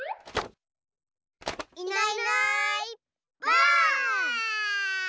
いないいないばあっ！